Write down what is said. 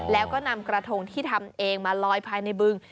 แล้วก็นำกระทงที่ทำเองมาลอยภายในบึง